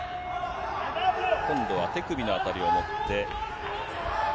今度は手首の辺りを持って。